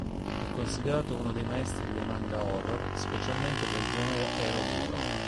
È considerato uno dei maestri dei manga horror, specialmente del genere ero-guro.